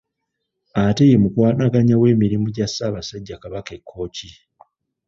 Ate ye mukwanaganya w'emirimu gya Ssaabasajja Kabaka e Kkooki.